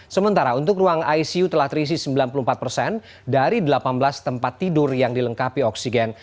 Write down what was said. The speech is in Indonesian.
sementara untuk ruang icu telah terisi sembilan puluh empat persen dari delapan belas tempat tidur yang dilengkapi oksigen